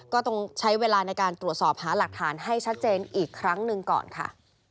ก็ต้องใช้เวลาในการตรวจสอบหาหลักฐานให้ชัดเจนอีกครั้งหนึ่งก่อนค่ะ